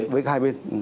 với hai bên